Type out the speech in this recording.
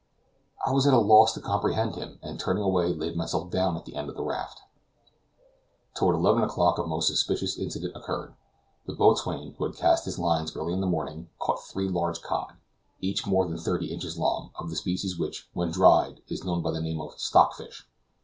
I was at a loss to comprehend him, and, turning away, laid myself down at the end of the raft. Toward eleven o'clock a most suspicious incident occurred. The boatswain, who had cast his lines early in the morning, caught three large cod, each more than thirty inches long, of the species which, when dried, is known by the name of stock fish.